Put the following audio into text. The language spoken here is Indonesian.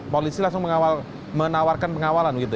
polisi langsung menawarkan pengawalan begitu